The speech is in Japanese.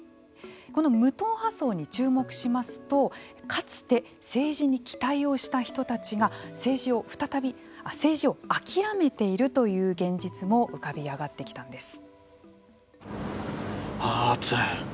この無党派層に注目しますとかつて政治に期待をした人たちが政治を諦めているという現実も浮かび上がってきたんです。